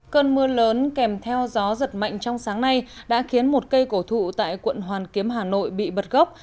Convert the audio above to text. cơn mưa lớn kèm theo gió giật mạnh trong sáng nay đã khiến một cây cổ thụ tại quận hoàn kiếm hà nội bị bật gốc